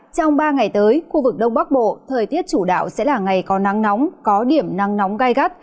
trong ba ngày tới khu vực đông bắc bộ thời tiết chủ đạo sẽ là ngày có nắng nóng có điểm nắng nóng gai gắt